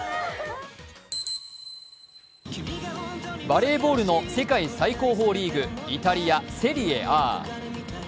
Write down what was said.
バレーボールの世界最高峰リーグ、イタリア・セリエＡ。